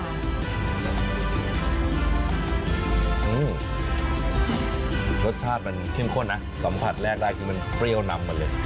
รสชาติมันเข้มข้นนะสัมผัสแรกได้คือมันเปรี้ยวนำหมดเลย